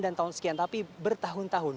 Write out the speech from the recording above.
dan tahun sekian tapi bertahun tahun